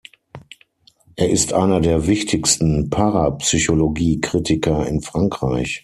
Er ist einer der wichtigsten Parapsychologie-Kritiker in Frankreich.